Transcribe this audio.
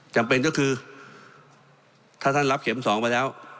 จำเป็นก็คือถ้าท่านรับเข็มสองไปแล้ว